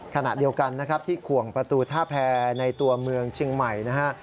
ขณะเดียวกันนะครับที่ขวงประตูท่าแพรในตัวเมืองเชียงใหม่นะฮะ